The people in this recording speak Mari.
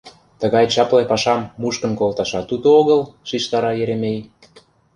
— Тыгай чапле пашам мушкын колташат уто огыл, — шижтара Еремей.